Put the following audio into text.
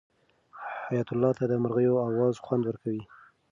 حیات الله ته د مرغیو اواز خوند ورکوي.